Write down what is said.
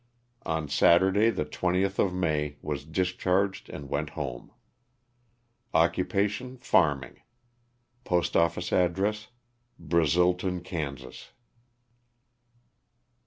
On Saturday, the 20th of May, was discharged and went home. Occupation, farming. Postoffice address, Brazilton, Kansas.